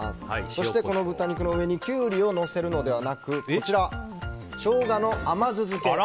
そしてこの豚肉の上にキュウリをのせるのではなくショウガの甘酢漬け